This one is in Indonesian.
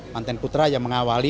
mantan putra yang mengawali